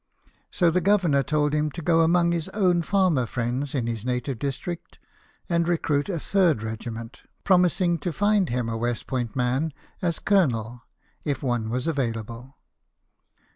So the Governor told him to go among his own farmer friends in his native district, and recruit a third JAMES GARFIELD, CANAL BOY. 157 regiment, promising to find him a West Point man as colonel, if one was available.